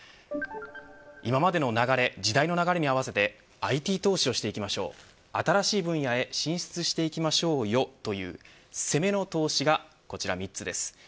今までの流れ時代の流れに合わせてＩＴ投資をしていきましょう、新しい分野へ進出していきましょうよという攻めの投資がこちら３つです。